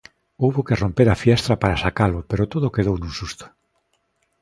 Houbo que romper a fiestra para sacalo, pero todo quedou nun susto.